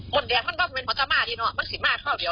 มดแดงมันก็เป็นผสม่าดีเนอะมันขินมากกว่าเวียว